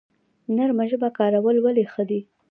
نرمه ژبه کارول ولې ښه دي؟